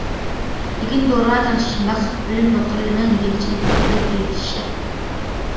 لېكىن دورا تەڭشەش مەخسۇس بۆلۈم دوختۇرلىرىنىڭ يېتەكچىلىكىدە ئېلىپ بېرىلىشى شەرت.